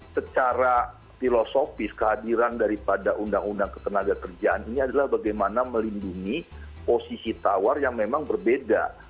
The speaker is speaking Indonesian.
secara filosofis kehadiran daripada undang undang ketenaga kerjaan ini adalah bagaimana melindungi posisi tawar yang memang berbeda